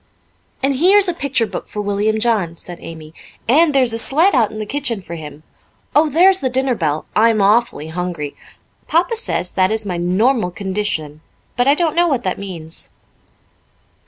"And here's a picture book for William John," said Amy, "and there is a sled out in the kitchen for him. Oh, there's the dinner bell. I'm awfully hungry. Papa says that is my 'normal condition,' but I don't know what that means."